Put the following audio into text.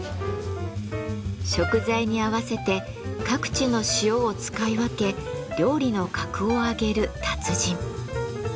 食材に合わせて各地の塩を使い分け料理の格を上げる達人。